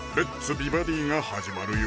美バディ」が始まるよ